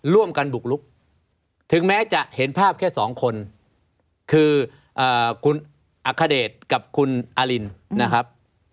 ร่วมกันบุกลุกถึงแม้จะเห็นภาพแค่สองคนคือคุณอัคเดชกับคุณอลินนะครับ